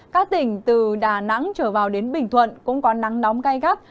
các tỉnh từ đà nẵng trở vào đến bình thuận cũng có nắng nóng gai gắt